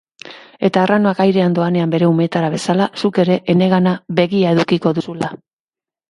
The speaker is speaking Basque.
Eta arranoak airean doanean bere umeetara bezala, zuk ere enegana begia edukiko duzula.